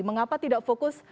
mengapa tidak fokus